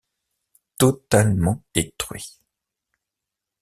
Totalement détruit.